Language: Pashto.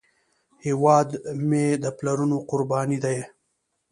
هیواد مې د پلرونو قرباني ده